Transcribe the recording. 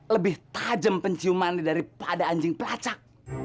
lebih tajam penciumannya daripada anjing pelacak